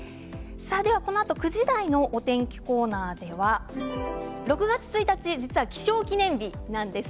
このあと９時台のお天気コーナーでは６月１日実は気象記念日なんです。